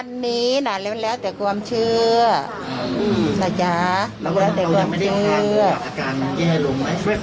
อันนี้น่ะเรียกแล้วแต่ความเชื่อนะจ๊ะเรียกแล้วแต่ความเชื่ออาการแย่ลงไหม